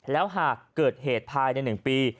แล้วหากเกิดเหตุภายใน๑ปี